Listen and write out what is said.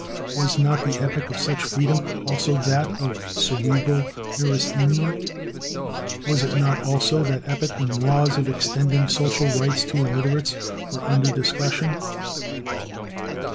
Was not the epoch of such "freedom" also that of cerebral neurasthenia? Was it not also that epoch when laws for extending social rights to illiterates were under discussion?